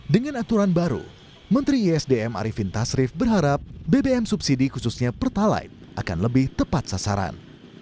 dengan aturan baru menteri isdm arifin tasrif berharap bbm subsidi khususnya pertalite akan lebih tepat sasaran